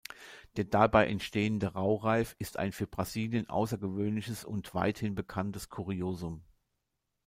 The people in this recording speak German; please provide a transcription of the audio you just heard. Der dabei entstehende Raureif ist ein für Brasilien außergewöhnliches und weithin bekanntes Kuriosum.